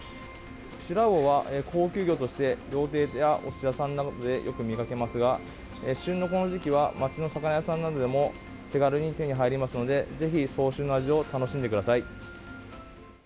シラウオは高級魚として料亭や、おすし屋さんなどでよく見かけますが旬のこの時期は街の魚屋さんなどでも手軽に手に入りますのでぜひ、早春の味を楽しんでください。